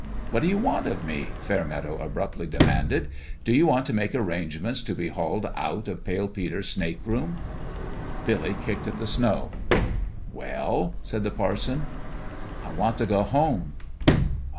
"What do you want of me?" Fairmeadow abruptly demanded. " Do you want to make arrangements to be hauled out of Pale Peter's snake room ?" Billy kicked at the snow. "Well?" said the parson. " I want t' go home."